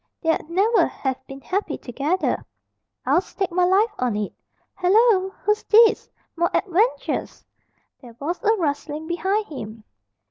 They'd never have been happy together, I'll stake my life on it. Hallo! Who's this? More adventures!" There was a rustling behind him.